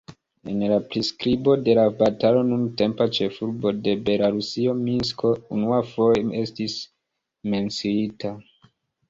En la priskribo de la batalo nuntempa ĉefurbo de Belarusio Minsko unuafoje estis menciita.